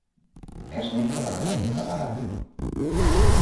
És membre de l'Acadèmia de la Ràdio.